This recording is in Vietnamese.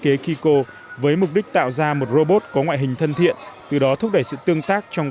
kế kiko với mục đích tạo ra một robot có ngoại hình thân thiện từ đó thúc đẩy sự tương tác trong